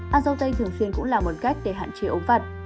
ăn dâu tây thường xuyên cũng là một cách để hạn chế ốm vặt